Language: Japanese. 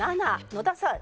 ７野田さん